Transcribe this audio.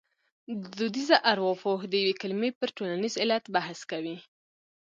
دودیزه ارپوهه د یوې کلمې پر ټولنیز علت بحث کوي